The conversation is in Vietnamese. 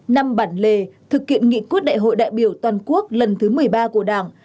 năm bản lề thực hiện nghị quyết đại hội đại biểu toàn quốc lần thứ một mươi ba của đảng